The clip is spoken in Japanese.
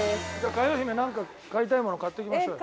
佳代姫なんか買いたいもの買っていきましょうよ。